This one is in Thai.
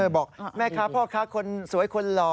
บอกแม่ค้าพ่อค้าคนสวยคนหล่อ